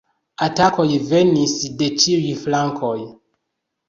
Atakoj venis de ĉiuj flankoj.